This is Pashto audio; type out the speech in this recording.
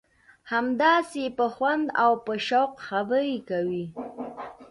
همداسې په خوند او په شوق خبرې کوي.